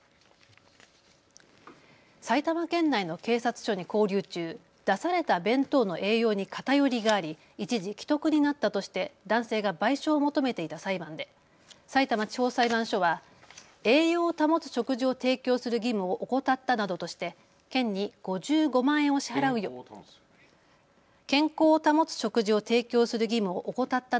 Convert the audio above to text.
埼玉県内の警察署に勾留中、出された弁当の栄養に偏りがあり一時、危篤になったとして男性が賠償を求めていた裁判でさいたま地方裁判所は健康を保つ食事を提供する義務を怠ったなどとして県に５５万円を支払うよう命じました。